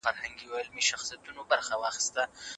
هغه د عشق په نغمو کې خپل فکر څرګنداوه.